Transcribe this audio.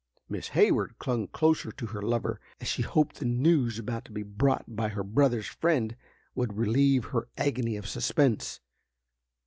Miss Hayward clung closer to her lover, as she hoped the news about to be brought by her brother's friend would relieve her agony of suspense.